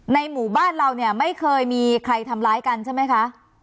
ในหมู่บ้านเราเนี่ยไม่เคยมีใครทำร้ายกันใช่ไหมคะ